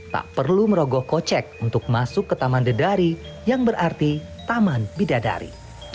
tak perlu merogoh kocek untuk masuk ke taman dedari yang berarti taman bidadari